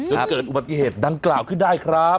เกิดเกิดอุปสรรค์กเหตุดังกล่าวขึ้นได้ครับ